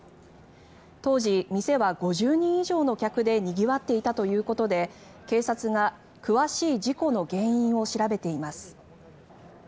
当時、店は５０人以上の客でにぎわっていたということで警察が詳しい事故の原因を調べています。